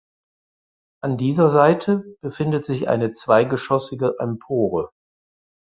An dieser Seite befindet sich eine zweigeschossige Empore.